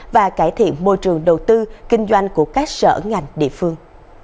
và cải thiện môi trường đầu tư kinh doanh của các sở ngành địa phương